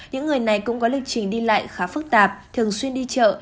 những người này cũng có lịch trình đi lại khá phức tạp thường xuyên đi chợ